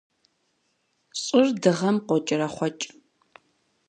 Щӏыр Дыгъэм къокӏэрэхъуэкӏ.